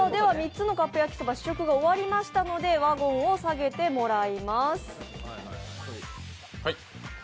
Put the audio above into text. ３つのカップ焼きそば試食が終わりましたので、ワゴンを下げてもらいます。